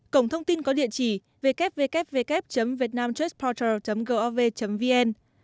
cổng thông tin có địa chỉ www vietnamtraceportal gov vn